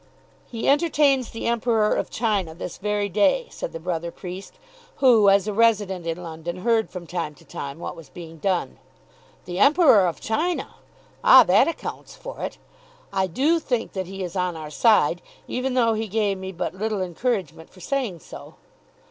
"He entertains the Emperor of China this very day," said the brother priest, who, as a resident in London, heard from time to time what was being done. "The Emperor of China! Ah, that accounts for it. I do think that he is on our side, even though he gave me but little encouragement for saying so.